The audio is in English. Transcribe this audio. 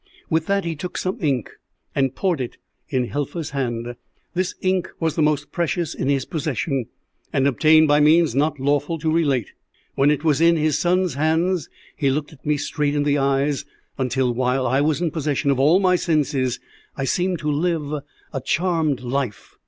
"With that he took some ink, and poured it in Helfa's hand. This ink was the most precious in his possession, and obtained by means not lawful to relate. When it was in his son's hands he looked at me straight in the eyes, until, while I was in possession of all my senses, I seemed to live a charmed life.